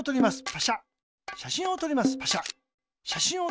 パシャ。